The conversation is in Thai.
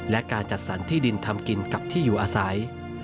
และการจัดสรรที่ดินทำกินกับที่อยู่อาศัย